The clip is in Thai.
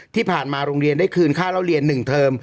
ที่ผ่านมาโรงเรียนได้คืนค่าเล่าเรียน๑เทอม